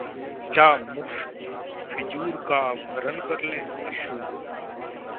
क्या मुस्तफिजुर का अपहरण कर लें: अश्विन